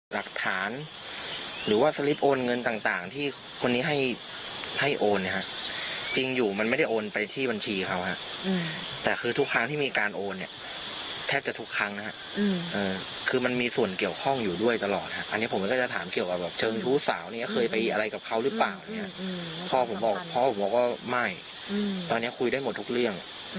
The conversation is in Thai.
หลักฐานหรือว่าสลิปโอนเงินต่างที่คนนี้ให้ให้โอนเนี่ยฮะจริงอยู่มันไม่ได้โอนไปที่บัญชีเขาฮะแต่คือทุกครั้งที่มีการโอนเนี่ยแทบจะทุกครั้งนะฮะคือมันมีส่วนเกี่ยวข้องอยู่ด้วยตลอดฮะอันนี้ผมก็จะถามเกี่ยวกับแบบเชิงชู้สาวเนี่ยเคยไปอะไรกับเขาหรือเปล่าเนี่ยพ่อผมบอกพ่อผมบอกว่าก็ไม่ตอนนี้คุยได้หมดทุกเรื่อง